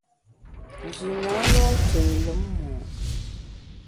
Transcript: Nji na lo’ té lùm mo’.